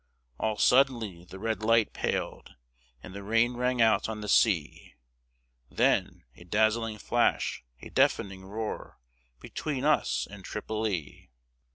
All suddenly the red light paled, And the rain rang out on the sea; Then a dazzling flash, a deafening roar, Between us and Tripoli!